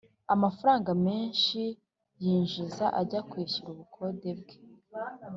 amafaranga menshi yinjiza ajya kwishyura ubukode bwe.